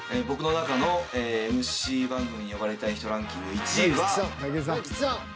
僕の中のＭＣ番組に呼ばれたい人ランキング１位は。